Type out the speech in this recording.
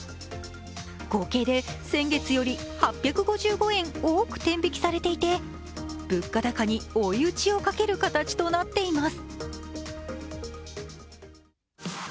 合計で、先月より８５５円多く天引きされていて物価高に追い打ちをかける形となっています。